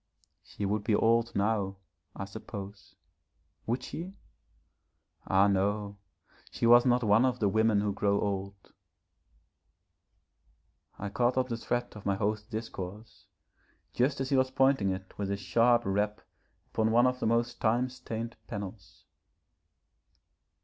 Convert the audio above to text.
She would be old now, I suppose. Would she? Ah no, she was not one of the women who grow old.... I caught up the thread of my host's discourse just as he was pointing it with a sharp rap upon one of the most time stained panels.